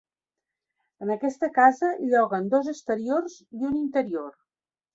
En aquesta casa lloguen dos exteriors i un interior.